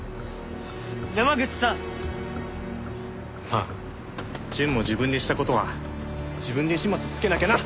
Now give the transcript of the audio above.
まあ淳も自分でした事は自分で始末つけなきゃな。